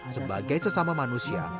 sebagai sesama manusia